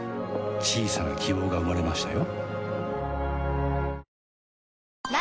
小さな希望が生まれましたよ